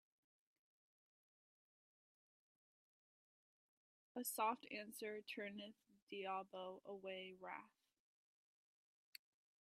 A soft answer turneth diabo away wrath